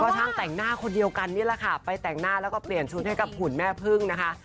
ช่างแต่งหน้าคนเดียวกันนี่แหละค่ะไปแต่งหน้าแล้วก็เปลี่ยนชุดให้กับหุ่นแม่พึ่งนะคะ